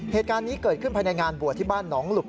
เหตุการณ์นี้เกิดขึ้นภายในงานบวชที่บ้านหนองหลุบ